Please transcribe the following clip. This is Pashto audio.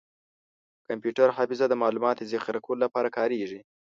کمپیوټر حافظه د معلوماتو ذخیره کولو لپاره کارېږي.